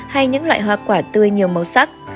hay những loại hoa quả tươi nhiều màu sắc